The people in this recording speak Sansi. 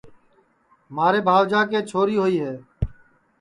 مھارے بھاوجا کی چھوڑی ہوئی ہے